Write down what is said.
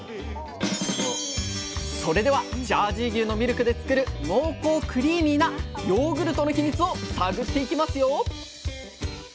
それではジャージー牛のミルクで作る濃厚クリーミーなヨーグルトのヒミツを探っていきますよ！